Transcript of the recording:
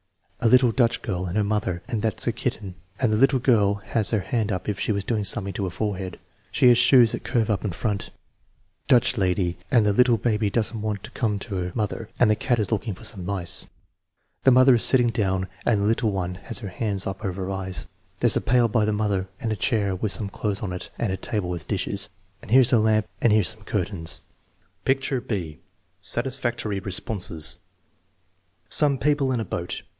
"A little Dutch girl and her mother and that's a kitten, and the little girl has her hand up as if she was doing something to her forehead. She has shoes that curve up in front." "Dutch lady, and the little baby does n't want to come to her mother and the cat is looking for some mice." "The mother is sitting down and the little one has her hands up over her eyes. There's a pail by the mother and a chair with some clothes on it and a table with dishes. And here's a lamp and here's some curtains." Picture (b): satisfactory responses "Some people in a boat.